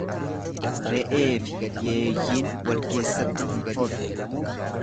Re'eefi yeeyyiin wal keessatti hin hortu.